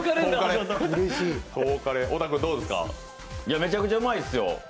めちゃくちゃうまいっすよ。